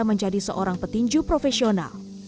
menjadi seorang petinju profesional